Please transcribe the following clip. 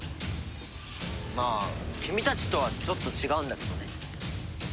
まあ君たちとはちょっと違うんだけどね。